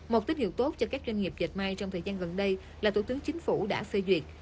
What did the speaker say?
một tích hiệu tốt cho các doanh nghiệp dịch mai trong thời gian gần đây là tổ tướng chính phủ đã phê duyệt